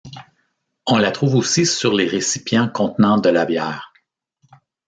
On la trouve aussi sur les récipients contenant de la bière.